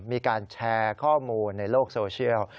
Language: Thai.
มีการแชร์ข้อมูลในโลกโซเชียล